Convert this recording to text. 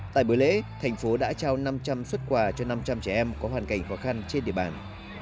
tại bữa lễ thành phố đã trao năm trăm linh xuất quà cho năm trăm linh trẻ em có hoàn cảnh khó khăn trên địa bàn